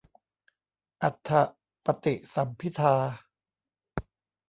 อรรถปฏิสัมภิทา